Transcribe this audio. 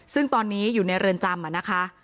ซึ่งตอนนี้อยู่ในเรือนจำนะคะ